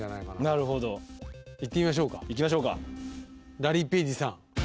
なるほどいってみましょうかいきましょうかラリー・ペイジさん